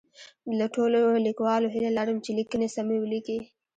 له ټولو لیکوالو هیله لرم چي لیکنې سمی ولیکي